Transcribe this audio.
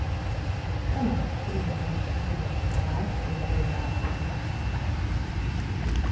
Te ienāk sprīdi garš vīriņš ar asi garu bārdu.